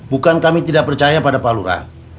bukan kami tidak percaya pada pak lurah